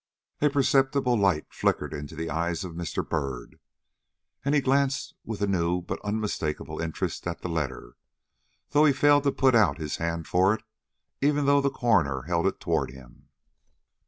A perceptible light flickered into the eyes of Mr. Byrd, and he glanced with a new but unmistakable interest at the letter, though he failed to put out his hand for it, even though the coroner held it toward him.